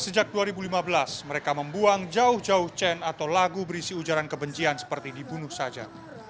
sejak dua ribu lima belas mereka membuang jauh jauh cen atau lagu berisi ujaran kebencian seperti dibunuh saja